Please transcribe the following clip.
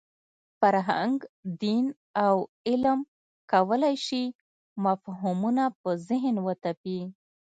فرهنګ، دین او علم کولای شي مفهومونه په ذهن وتپي.